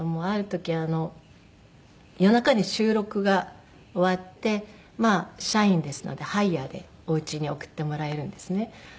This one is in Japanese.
ある時夜中に収録が終わって社員ですのでハイヤーでお家に送ってもらえるんですね。